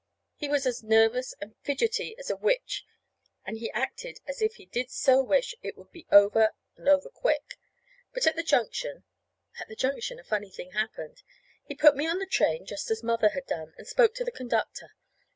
He was as nervous and fidgety as a witch, and he acted as if he did so wish it would be over and over quick. But at the junction at the junction a funny thing happened. He put me on the train, just as Mother had done, and spoke to the conductor.